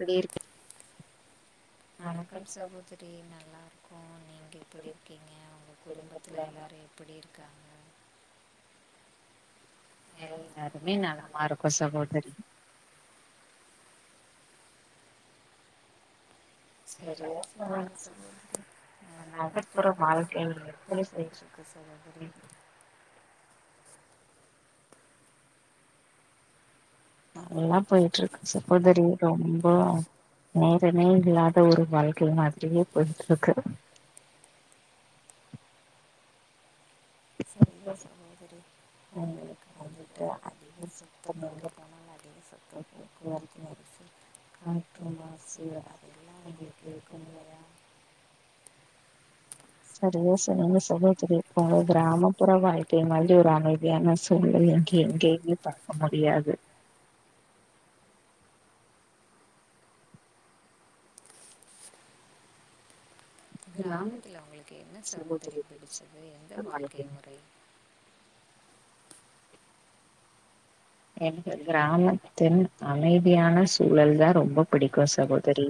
எப்டி இருக் வணக்கம் சகோதரி நல்லா இருக்கோம் நீங்க எப்டி இருக்கீங்க உங்க குடும்பத்துல எல்லாரு எப்படி இருக்காங்க எல்லாருமே நலமா இருக்கோ சகோதரி சரி சரியா சொல்லுங்க சொன்னிங்க சகோதரி உங்க நகர்ப்புற வாழ்க்கை எப்படி போய்ட்டிருக்கு க்க சகோதரி நல்லா போயிட்டு இருக்கு சகோதரி ரொம்ப ரொம்போ மேகமே இல்லாத ஒரு நேசமே இல்லாத ஒரு வானிலை வாழ்க்கை மாதிரியே போயிட்டு போய்ட்ருக்கு இருக்கு சரிங்க சகோதரி உங்களுக்கு வந்துட்டு அதிக சத்தம் எங்கே [unintelligible] போனாலும் சத்தம் வரும் சுத்தம் காற்று மாசு அதெல்லா உங்களுக்கு இருக்கும் இல்லயா சரியா சொன்னீங்க சகோதரி இப்ப ஒரு கிராமப்புற வாழ்க்கை மாதிரி ஒரு அமைதியான ஸ் சூழல எங்கே எங்கேயு பாக்க முடியாது கிராம கிராமத்தில உங்களுக்கு என்ன சகோதரி பிடிச்சது எந்த வாழ்க்கை முறை எனக்கு கிராமத்தில் அமைதியான சூழல் தா ரொம்ப புடிக்கு சகோதரி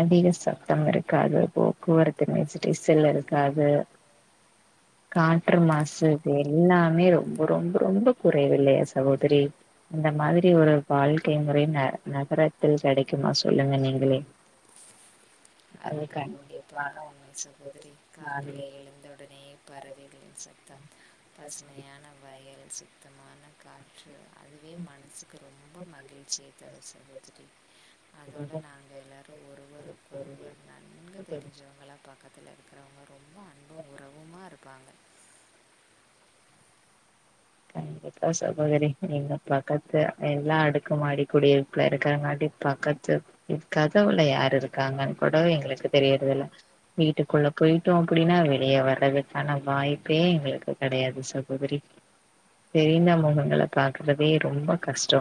அதிக சத்தம் இருக்காது போக்குவரத்து மெஸ்டீசல் இருக்காது நாற்று காற்று நாற்று மாசு இது செய்வது எல்லாமே ரொம்ப வந்து ரொம்ப ரொம்ப குறைவில்லையா குறைவில் சகோதரி இந்த மாதிரி ஒரு வாழ்க்கை முறை ந நகரத்தில் கெடைக்குமா கிடைக்கும் சொல்லுங்க நீங்களே சூழ்நிலை அது [unintelligible] கண்டிப்பான உண்மை சகோதரி காலிலே எழுந்த உடனே பறவைகள் சத்தம் பசுமையான வயல் சுத்தமான காற்று அதுவே மனசுக்கு ரொம்ப மகிழ்ச்சியை தரும் சகோதிரி அதோட உடல் நாங்க எல்லாரு ஆரோக்கியமாக இருப்பது ஒருவருக்கு ஒருவர் நன்கு பெரிய தெரிஞ்ச தெரிஞ்சு நல்லா பக்கத்துல இருக்கறவங்க ரொம்ப கொண்ட அன்பும் ஒரு உறவுமா இருப்பாங்க கண்டிப்பா சகோதரி நீங்க பக்கத்து எல்லா அடுக்கு மாடி குடியிரு ப்புல இருக்கிறங்காட்டி பக்கத்து இது கதவுல யாரு இருக்காங்கன்னு கூட எங்களுக்கு தெரியிறது இல்ல வீட்டுக்குள்ள போய்ட்டோ அப்டின்னா வெளிய வர்றதுக்கான வாய்ப்பே எங்களுக்கு கெடையாது சகோதரி தெரிந்த மொகங்கள பாக்றதே ரொம்ப கஷ்டோ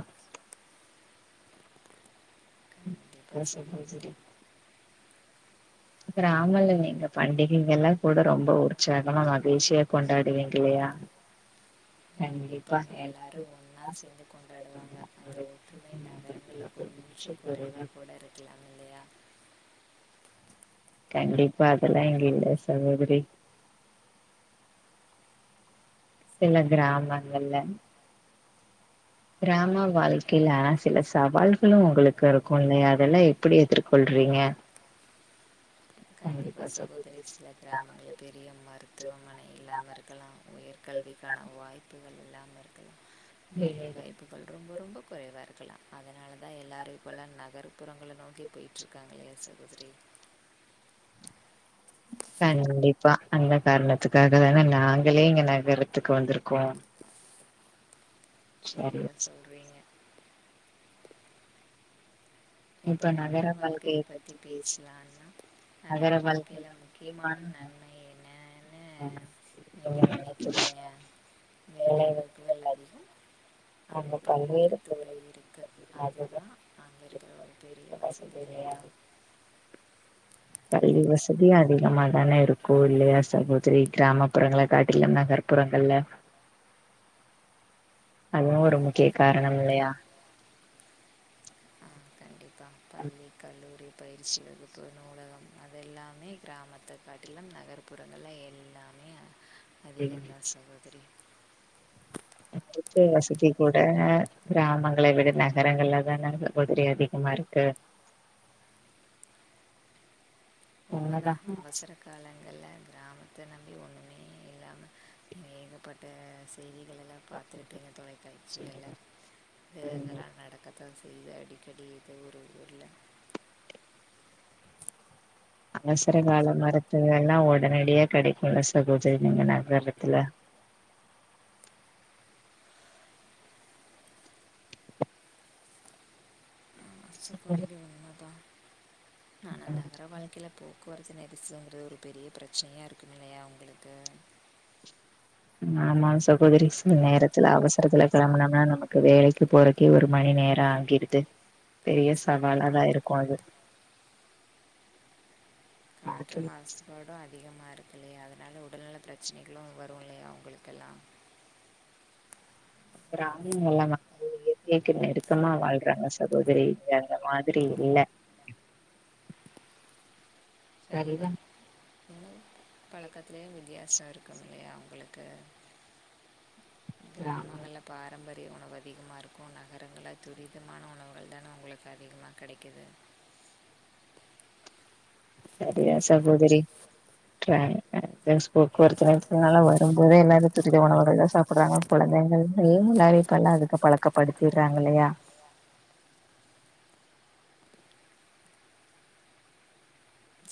கண்டிப்பாக பேஷ சகோதரி [unintelligible] கிராமங்கல்ல நீங்க பண்டிகைங்க எல்லா கூட ரொம்ப உற்சாகமா மகிழ்ச்சியா கொண்டாடுவீங்க இல்லையா கண்டிப்பா எல்லாரு ஒன்னா சேந்து கொண்டாடுவாங்க அந்த ஒற்றுமைல நகரங்கல்ல கொஞ்சோ குறைவா அது கூட இருக்கலா இல்லையா கண்டிப்பா அது அதெல்லா ரொம்ப இங்க அந்த இல்ல பிரச்சனை சகோதரி உண்டு. சில கிராமங்கள்ல கிராம வாழ்கைல சில சவால்கள் சவால்களும் உங்களுக்கு உங்ளுக்கு இருக்கு வருது. இல்லையா அதெல்லா நீங்க அதெல்லாம் எப்டி எப்படி எதிர்கொள்றீங்க கண்டிப்பா சகோதரி சகோத்ரி கிராமங்கல்ல பெரிய மருத்துவமனை இல்லாம இருக்கலா இருக்கிறதுக்கான உயர்கல்விக்கான வாய்ப்புகள் இல்லாம இருக்கலா வேலைகள் வேலைவாய்ப்பு ப ரொம்போ ரொம்போ குறைவா இருக்குலா அதனாலதா எல்லாரு இப்பல்லா நகர்ப்புறங்கள நோக்கி போய்டிட்டுருக்காங்கலயா சகோதரி கண்டிப்பா அந்த காரணத்துக்காக தான நாங்களே இங்க நகரத்துக்கு வந்திருக்கோ சரி ஏ சொல்றீங்க இப்ப நகர வாழ்க்கய பத்தி பேசலான்னா நகர வாழ்க்கைல வாழ்க்கையில முக்யமான முக்கியமான நன்ம என்ன ந நீங்க நன்மைகள் நெனைக்கிறீங்க என்ன? மேலே வேலை வந்து உள்ளது வெள்ளதில் அங்கே பல்வேறு துறை இருக்கு அது அதுதான் தான் அது ஒரு பெரிய வசதி வசதியா இல்லியா பள்ளி வசதி அதிகமா தான இருக்கு இல்லையா சகோதரி கிராமப்புறங்கள காட்டிலும் நகர்ப்புர ப்புரங்கல்ல அதுவு ஒரு முக்கிய காரணம் இல்லையா கண்டிப்பா பள்ளி கல்லூரி பயிற்சி வகுப்பு நூலகம் அது எல்லாமே கிராமத்த காட்டிலும் நகர்ப்புறங்கள்ல எல்லாமே அதிகந்தா சகோதரி ருப்பே வசதி கூட கிராமங்களை விட நகரங்கள்ல தா நல்ல சகோதரி அதிகமா இருக்கு உண்மதா உண்மதான் அவசர காலங்கள்ள கிராமத்த நம்பி ஒன்னுமே இல்லாம ஏகப்பட்ட செய்திகள்ளெல்லா பாத்துருப்பீங்க தொலைக்காச்சுகல்ல தேர்தல்லா நடக்கப் தா செய்வ அடிக்கடி ஏதோ ஒர் ஊர்ல அவசர கால மருத்துவங் எல்லா உடனடியே கிடைக்குள்ள சகோதரி இங்க நகரத்துல சகோதரி உண்மதா நா நகர வாழ்க்கையில போக போக்குவரத்து நெரிசதுங்கிறது ஒரு பெரிய பிரச்சனையா இருக்குமி ல்லையா உங்களுக்கு ஆமா சகோதரி சில நேரத்தில் நேரத்துல அவசர அவசரத்துல காலக்காரங்க கெளம்னோன்னா நமக்கு வேலைக்கு போற கே ஒரு மணி நேரம் ஆகிருது பெரிய சவாலாதா இருக்கும் அது மற்றும் பாட்டுமாஸ் தடம் அதிகமாக இருக்கு இல்லையா அதனால் உடல்நல பிரச்சனைகளும் வரும் இல்லையா உங்களுக்கெல்லாம் கிராமங்கலா நல்லா இப்யேக்கு நெருக்கமா வாழ்றாங்க சகோதரி இது அந்த மாதிரி இல்ல சரிதா இன்னும் பழக்கத்லேயே வித்தியாசோம் இருக்கும் இல்லையா உங்களுக்கு கிராமங்கள பாரம்பரிய உணவு அதிகமா இருக்கு நகரங்கள்ல துரிதமான உணவுகள் தான உங்களுக்கு அதிகமாக கெடைக்கிது சரியா சகோதரி ட்ரான் டிரான்ஸ் போக்குவரத்துனால எல்லாரும் ஒ ம்போதே எல்லாரும் துரித திருவிழாவில் உணவுகள்ளா தான் சாப்புட்றாங்க சாப்பிட்றாங்க அதனால மெயின் குழந்தைங்கள்ளயும் வேலை நெறயா பண்ணால் இப்பல்லா அதுக்கு அதுதா சிறப்புப்படுத்திடுறாங்க பழக்கப்படுத்திற்றாங்க இல்லையா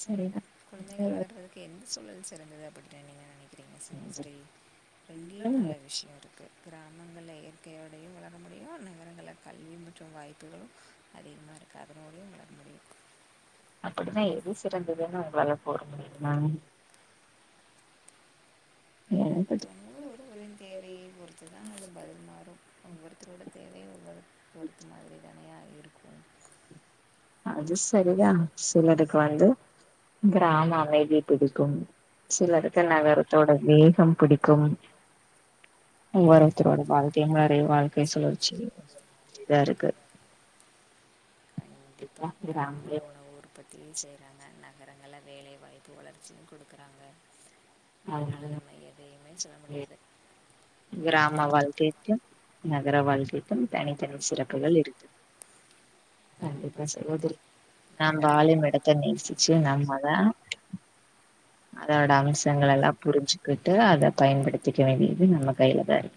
சரிதா குழந்தைகள வளர்றதுக்கு எந்த சூழல் சிறந்தது அப்படின்னு நீங்க நினைக்கி சரிங்க சகோதரி ரெண்லயு நல்ல சரிதா விஷ்யம் இருக்கு கிராமங்கள்ல இயற்கையோடையு வளர முடியு நகரங்கல்ல கல்வியும் மற்றும் வாய்ப்புகளும் அது எல்லா இருக்கு அதனோடயு வளர முடியும் அப்படிதா எது சிறந்ததுன்னு உங்களால போட முடியுமா எனக்கு [unintelligible] தோணுது ஒருவரின் தேவையை பொறுத்து தா அது பதில் மாறு ஒவ்வொருத்தரோட தேவையு ஒவ்வொரு பொரு இ மாதிரிதானையா இருக்கும் அது சரிதா சிலடுக்கு வந்து கிராம அமைதி பிடிக்கும் சிலருக்கு நகரத்தோட வேகம் பிடிக்கும் ஒவ்வொரு வாழ்க்கை த்தரோட வாழ்க்கை வாழ்க்கைய முறை முறையு வாழ்க்கை வாழ்க்கையை சுழற்சி சுழறச்சி ஒவ்வொரு மாதிரி இதா தான் இருக்கு இருக்குது கிராமங்களோட ஊர் பத்தியு செய்றாங்க நகரங்கல்ல வேலைவாய்ப்பு வளர்ச்சியு குடுக்குறாங்க அதனால நம்ம எதையுமே சொல்ல முடியாது கிராம வாழ்க்கைக்கும் வாழ்க்கைக்கு நகர வாழ்கை க்கும் தனித்தனி சிறப்புகள் இருக்கு கண்டிப்பா சகோதரி நான் நம்ப ஆலி வாழும் இடத்தை மெடத்தன் நேசித்து ஸ்டிச்சி நான் நம்மதா சொல்கிறேன் அதோட அவங்களோட அம்சங்களல்லா அவசரங்கள்லாம் புரிஞ்சுக்கிட்டு புரிஞ்சுகிட்டு அதை அத வளர்த்துக்க பயன்படுதிக்க வேண்டியது நம்ம கைலதா இரு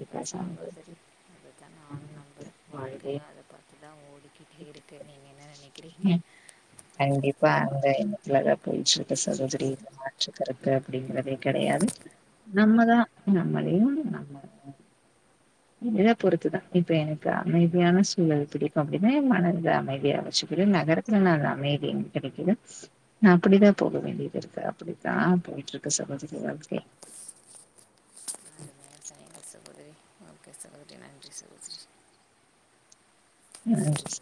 இப்ப சங்கோதரி அப்டித்தா நானு நம்புறே வாழ்க்கையே அத பாத்துதா ஓடிகிட்டே இருக்கு நீங்க என்ன நெனைக்கிறீங்க கண்டிப்பா அந்த எண்ணத்துலதா இருக்கக்கூடிய போயிட்டு சுக இருக்கு து சகோதரி இதுல சகோதரியில் மாற்று கருத்து அப்படிங்கிறது அப்டிங்றதே கெடையாது கிடையாது. நம்ம தான் நம்மதா நம்ம தான். நம்மளையு நம்ம என்னை இத பொறுத்துதா பொறுத்தவரைக்கும் இப்போ இப்ப எனக்கு அன்றாட அமைதியான சூழல் பிடிக்கும் அப்படின்னே மனத அமைதியா அருமையாக வச்சுக்குற நகர த்துல நானு அமைதியு கிடைக்குது நா அப்படிதா போக வேண்டியது இருக்கு அப்படிதா போய்ட்டு இருக்க சகோதரி வாழ்க்கை இனிமேட்டுதா செய்யணு சகோதரி ஓகே சகோதரி நன்றி சகோதரி ம் நன்றி